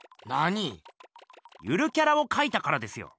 ゆるキャラをかいたからですよ。